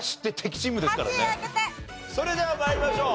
それでは参りましょう。